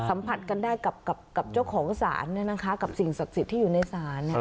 สัมผัสกันได้กับเจ้าของศาลกับสิ่งศักดิ์สิทธิ์ที่อยู่ในศาล